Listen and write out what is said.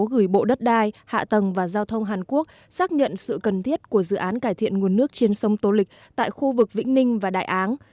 gửi bộ đất đai hạ tầng và giao thông hàn quốc xác nhận sự cần thiết của dự án cải thiện nguồn nước trên sông tô lịch tại khu vực vĩnh ninh và đại án